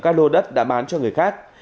các lô đất đã bán cho người khác